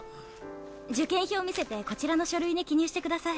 受験票見せてこちらの書類に記入してください。